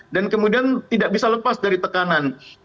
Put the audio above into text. dan kemudian tidak bisa lepas dari tekanan